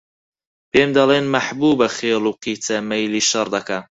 پێم دەڵێن: مەحبووبە خێل و قیچە، مەیلی شەڕ دەکا